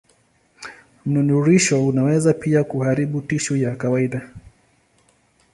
Mnururisho unaweza pia kuharibu tishu ya kawaida.